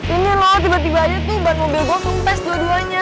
ini loh tiba tiba aja tuh ban mobil gue kempes dua duanya